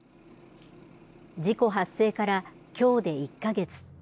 事故発生からきょうで１か月。